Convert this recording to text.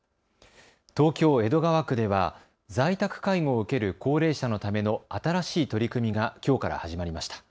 東京江戸川区では在宅介護を受ける高齢者のための新しい取り組みがきょうから始まりました。